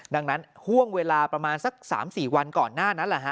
ดังนั้นห่วงเวลาประมาณสัก๓๔วันก่อนหน้านั้น